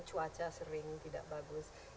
cuaca sering tidak bagus